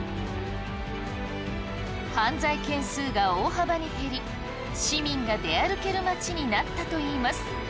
犯罪件数が大幅に減り市民が出歩ける街になったといいます！